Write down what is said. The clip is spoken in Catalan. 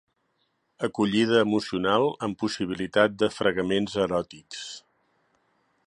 Acollida emocional amb possibilitat de fregaments eròtics.